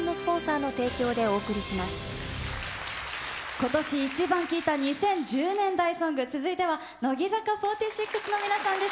今年イチバン聴いた２０１０年代ソング、続いては、乃木坂４６の皆さんです。